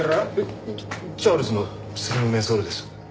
チャールズのスリムメンソールです。